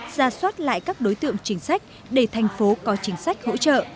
ra soát lại các đối tượng chính sách để thành phố có chính sách hỗ trợ